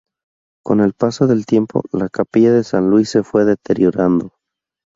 Con el paso del tiempo, la capilla de San Luis se fue deteriorando.